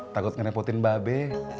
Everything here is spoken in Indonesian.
takut ngenepotin mbak be